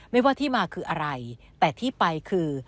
ไม่ว่าที่มาคืออะไรแต่ที่ไปคือ